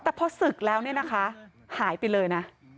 แต่พอศึกแล้วเนี่ยนะคะหายไปเลยนะ